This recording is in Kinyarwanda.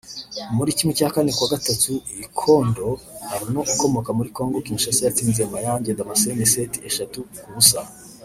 muri ¼ kuwa Gatatu Ikondo Arnold ukomoka muri Congo Kinshasa yatsinze Mayange Damascene seti eshatu ku busa (